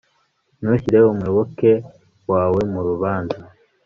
ntushyire umuyoboke wawe mu rubanza